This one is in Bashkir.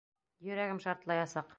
Йөрәгем шартлаясаҡ.